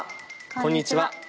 こんにちは。